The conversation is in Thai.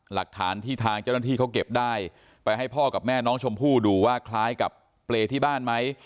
หลักฐานที่ทางเจ้าหน้าที่เขาเก็บได้ไปให้พ่อกับแม่น้องชมพู่ดูว่าคล้ายกับเปรย์ที่บ้านไหม